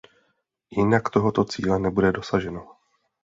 Jinak tohoto cíle nebude dosaženo.